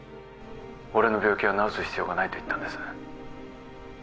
俺の病気は治す必要がないと言ったんです